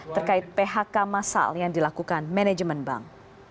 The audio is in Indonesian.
terkait phk masal yang dilakukan manajemen bank